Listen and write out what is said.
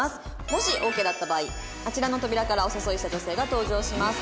もしオーケーだった場合あちらの扉からお誘いした女性が登場します。